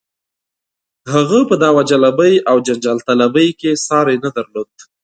هغه په دعوه جلبۍ او جنجال طلبۍ کې یې ساری نه درلود.